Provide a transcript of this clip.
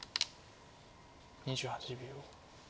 ２８秒。